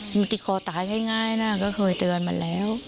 มันติดคอตายง่ายนะก็เคยเตือนมาแล้ว